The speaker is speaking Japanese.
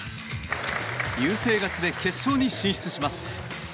優勢勝ちで決勝に進出します。